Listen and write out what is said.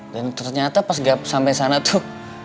dan ternyata pas gak sampai sana tuh